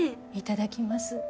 いただきます。